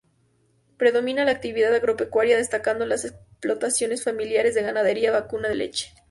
Predomina la actividad agropecuaria, destacando las explotaciones familiares de ganadería vacuna de leche.